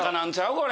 これ。